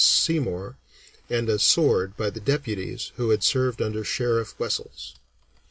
Seymour, and a sword by the deputies who had served under Sheriff Wessells.